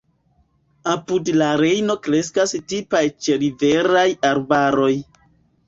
Apud la Rejno kreskas tipaj ĉeriveraj arbaroj.